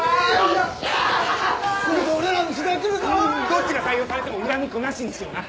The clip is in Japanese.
どっちが採用されても恨みっこなしにしような。